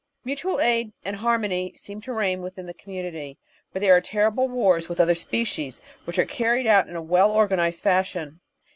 Mutual aid and harmony seem to reign within the com munity, but there are terrible wars with other species, which are carried out in a well organised fashion.